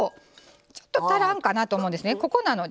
ちょっと足らんかなと思うんですね。